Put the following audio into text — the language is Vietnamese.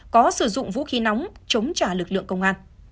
có sử dụng vũ khí nóng chống trả lực lượng công an